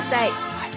はい。